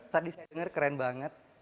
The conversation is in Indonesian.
tadi saya dengar keren banget